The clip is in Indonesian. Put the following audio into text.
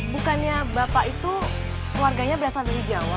bukannya bapak itu warganya berasal dari jawa